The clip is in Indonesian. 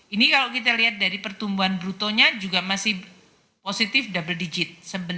ini kalau kita lihat dari pertumbuhan brutonya juga masih positif double digit